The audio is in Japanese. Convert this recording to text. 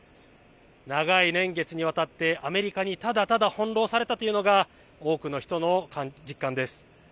長い年月にわたってアメリカにただただ翻弄されたというのが多くの人の実感です。